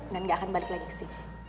dan ga akan balik lagi ke sini